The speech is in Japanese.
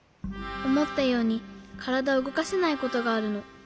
おもったようにからだをうごかせないことがあるの。